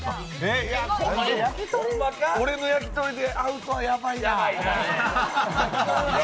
俺のやきとりでアウトはやばいな。